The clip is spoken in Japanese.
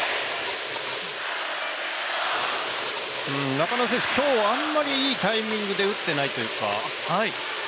中野選手、今日はあんまりいいタイミングで打っていないというか。